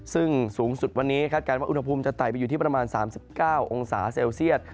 ซึ่งสูงสุดวันนี้คาดการณ์ว่าอุณหภูมิจะไต่ไปอยู่ที่ประมาณ๓๙องศาเซลเซียต